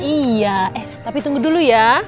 iya eh tapi tunggu dulu ya